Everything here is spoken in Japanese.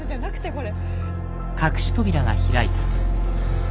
これ。